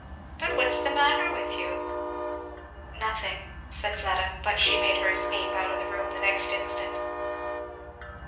But what's the matter with you?" "Nothing " said Fleda, but she made her escape out of the room the next instant.